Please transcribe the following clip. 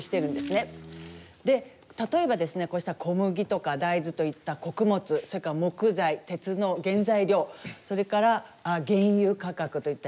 で例えばですねこうした小麦とか大豆といった穀物それから木材鉄の原材料それから原油価格といったエネルギーの価格